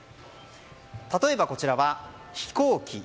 例えば、こちらは飛行機。